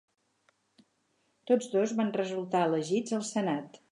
Tots dos van resultar elegits al Senat.